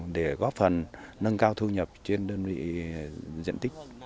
để góp phần nâng cao thu nhập trên đơn vị diện tích